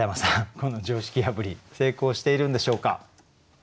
この常識破り成功しているんでしょうか？